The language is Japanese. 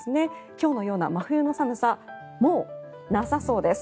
今日のような真冬の寒さもうなさそうです。